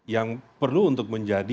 yang perlu untuk mencari